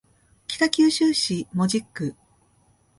北九州市門司区